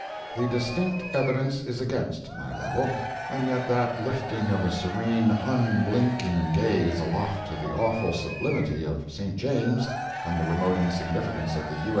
The distinct evidence is against my Lovel, and yet that lifting of a serene, unblinking gaze aloft to the awful sublimity of St. James's, from the remote insignificance of the U.